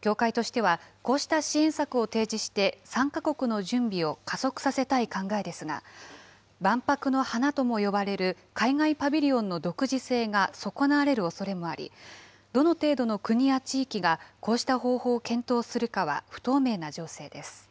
協会としては、こうした支援策を提示して、参加国の準備を加速させたい考えですが、万博の華とも呼ばれる海外パビリオンの独自性が損なわれるおそれもあり、どの程度の国や地域がこうした方法を検討するかは不透明な情勢です。